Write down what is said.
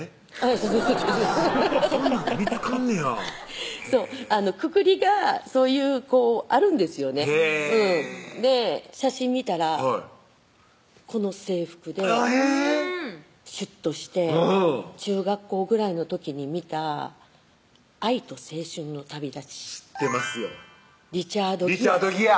そうそうそんなんで見つかんねやそうくくりがそういうあるんですよねで写真見たらこの制服でえぇシュッとして中学校ぐらいの時に見た愛と青春の旅だち知ってますよリチャード・ギアリチャード・ギア！